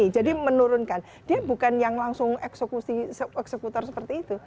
jadi menurunkan dia bukan yang langsung eksekutor seperti itu